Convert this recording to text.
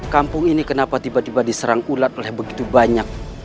kampung ini kenapa tiba tiba diserang ulat oleh begitu banyak